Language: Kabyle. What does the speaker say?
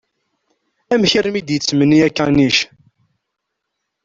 Amek armi i d-yettmenni akanic?